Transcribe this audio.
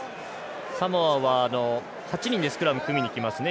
サモアは８人でスクラムを組みにいきますね。